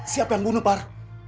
siapa yang bunuh par